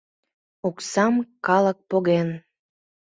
— Оксам калык поген!